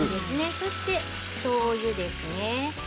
そして、しょうゆですね。